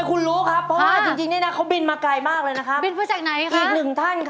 คุดให้พระเจมสัตว์ชุมแพ้